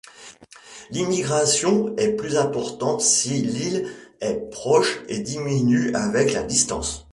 L’immigration est plus importante si l’île est proche et diminue avec la distance.